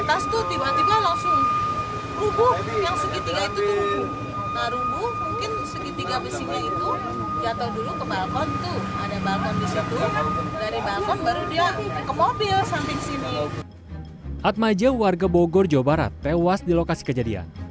terimaja warga bogor jawa barat tewas di lokasi kejadian